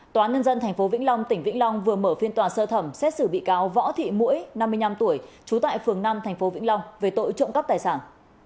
tòa nhân dân tp vĩnh long tỉnh vĩnh long vừa mở phiên tòa sơ thẩm xét xử bị cáo võ thị mũi năm mươi năm tuổi trú tại phường năm tp vĩnh long về tội trộm cắp tài sản